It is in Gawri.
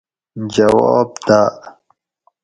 جواب داۤ